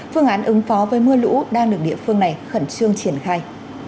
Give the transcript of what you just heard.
phương án ứng phó với mưa lũ đang được địa phương này khẩn trương triển khai